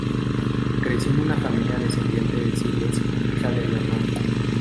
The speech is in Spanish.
Creció en una familia descendiente de sirios, hija de Leonor.